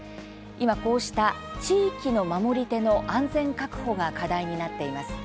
今、こうした地域の守り手の安全確保が課題になっています。